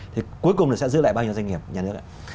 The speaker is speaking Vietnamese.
thì cuối cùng là sẽ giữ lại bao nhiêu doanh nghiệp nhà nước ạ